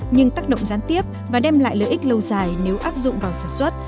nhưng tác động gián tiếp và đem lại lợi ích lâu dài nếu áp dụng vào sản xuất